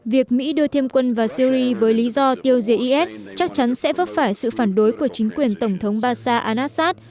việc mỹ đưa thêm quân vào syria với lý do tiêu diệt is chắc chắn sẽ vấp phải sự phản đối của chính quyền tổng thống bashar al assad